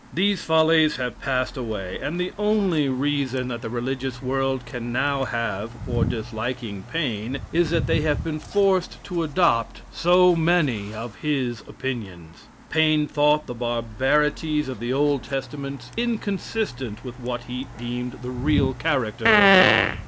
These follies have passed away, and the only reason that the religious world can now have for disliking Paine, is that they have been forced to adopt so many of his opinions. Paine thought the barbarities of the Old Testament inconsistent with what he deemed the real character of God.